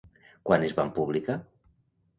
Quan es van publicar?